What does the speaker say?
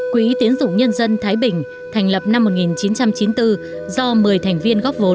quỹ tiến dụng nhân dân thái bình thành lập năm một nghìn chín trăm chín mươi bốn do một mươi thành viên góp vốn